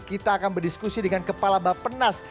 kita akan berdiskusi dengan kepala bapak pernas